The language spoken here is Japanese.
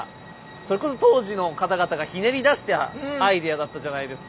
それこそ当時の方々がひねり出したアイデアだったじゃないですか。